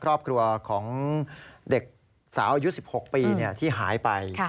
ครอบครัวของเด็กสาวอายุ๑๖ปีที่หายไป